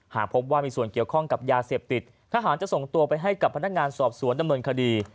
หากพบว่ามีส่วนเกี่ยวข้องกับยาเสพติดทหารจะส่งตัวไปให้กับพนักงานสอบสวนดำเนินคดี